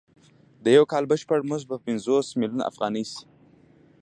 د یو کال بشپړ مزد به یې پنځوس میلیونه افغانۍ شي